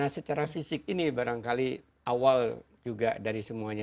nah secara fisik ini barangkali awal juga dari semuanya